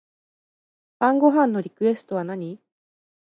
晩ご飯のリクエストは何